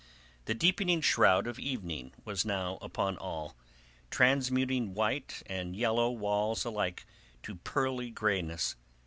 The deepening shroud of evening was now upon all, transmuting white and yellow walls alike to a pearly greyness.